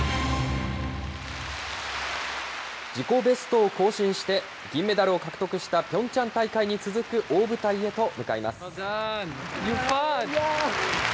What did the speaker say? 自己ベストを更新して、銀メダルを獲得したピョンチャン大会に続く大舞台へと向かいます。